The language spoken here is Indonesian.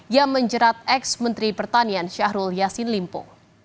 yang menjerat ex menteri pertanian syahrul yassin limpo